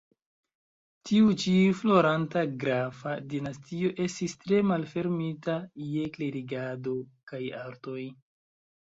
Tiu ĉi floranta grafa dinastio estis tre malfermita je klerigado kaj artoj.